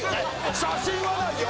写真はないよ！